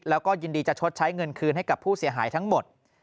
แล้วก็ยินดีจะชดใช้เงินคืนให้กับผู้เสียหายทั้งหมด